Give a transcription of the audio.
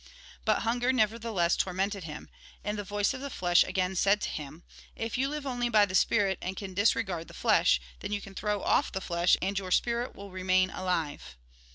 But hunger, nevertheless, tormented him ; and jhe voice of the flesh again said to him :" If you live only by the spirit, and can disregard the flesh, then you can throw off the flesh, and your spirit will remain alive."